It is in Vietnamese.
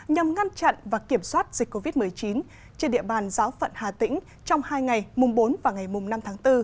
nhằm ngăn chặn và kiểm soát dịch covid một mươi chín trên địa bàn giáo phận hà tĩnh trong hai ngày mùng bốn và ngày mùng năm tháng bốn